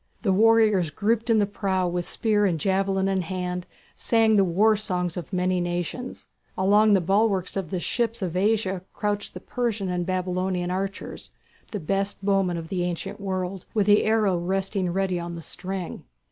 The warriors grouped in the prow with spear and javelin in hand sang the war songs of many nations. Along the bulwarks of the ships of Asia crouched the Persian and Babylonian archers, the best bowmen of the ancient world, with the arrow resting ready on the string.